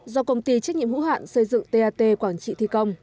do công ty trách nhiệm hữu hạn xây dựng tat quảng trị thi công